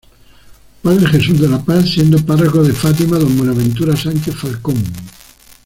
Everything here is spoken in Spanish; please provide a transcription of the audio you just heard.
Padre Jesús de la Paz, siendo párroco de Fátima Don Buenaventura Sánchez Falcón.